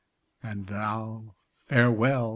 And now farewell!